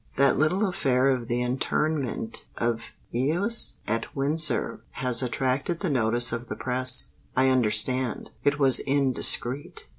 That little affair of the interment of Eos at Windsor has attracted the notice of the press, I understand. It was indiscreet."